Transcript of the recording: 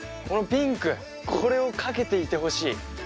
このピンクこれをかけていてほしい。